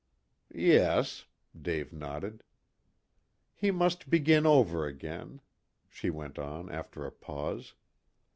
"Yes," Dave nodded. "He must begin over again," she went on, after a pause.